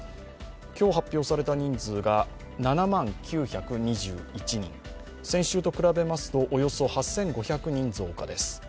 今日発表された人数が７万９２１人、先週と比べますとおよそ８５００人増加です。